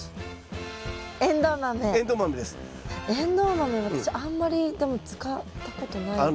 豆私あんまりでも使ったことないです。